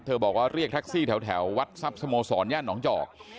บอกว่าเรียกแท็กซี่แถววัดทรัพย์สโมสรย่านหนองจอก